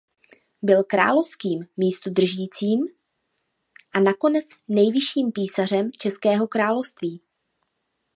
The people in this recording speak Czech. Byl královským místodržícím a nakonec nejvyšším písařem Českého království.